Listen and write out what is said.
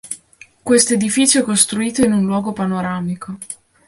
Questo edificio è costruito in un luogo panoramico.